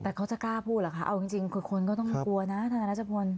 แต่เขาจะกล้าพูดเหรอคะเอาจริงคือคนก็ต้องกลัวนะธนรัชพล